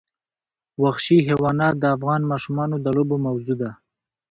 وحشي حیوانات د افغان ماشومانو د لوبو موضوع ده.